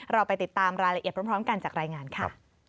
เราไปติดตามรายละเอียดพร้อมกันจากรายงานค่ะ